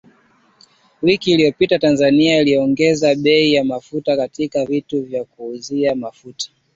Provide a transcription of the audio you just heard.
Wiki iliyopita, Tanzania iliongeza bei ya mafuta katika vituo vya kuuzia mafuta